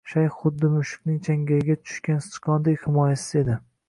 Shayx xuddi mushukning changaliga tushgan sichqondek himoyasiz edi